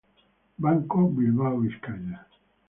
Banco Bilbao Vizcaya.